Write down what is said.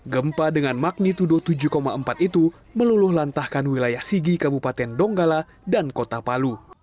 gempa dengan magnitudo tujuh empat itu meluluh lantahkan wilayah sigi kabupaten donggala dan kota palu